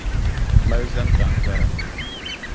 Mali zani ka n gari.